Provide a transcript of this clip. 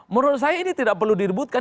menurut saya ini tidak perlu diributkan